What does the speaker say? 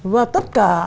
và tất cả